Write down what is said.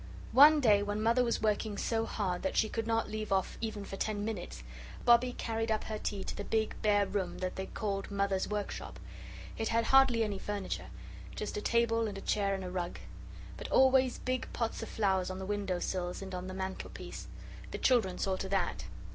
One day, when Mother was working so hard that she could not leave off even for ten minutes, Bobbie carried up her tea to the big bare room that they called Mother's workshop. It had hardly any furniture. Just a table and a chair and a rug. But always big pots of flowers on the window sills and on the mantelpiece. The children saw to that.